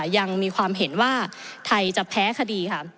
ยังมีความเห็นว่าไทยจะแพ้คดีค่ะ